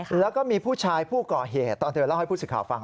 แล้วก็มีผู้ชายผู้ก่อเหตุตอนเธอเล่าให้ผู้สื่อข่าวฟัง